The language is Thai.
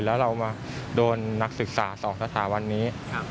แล้วเรามาโดนนักศึกษา๒สถาบันนี้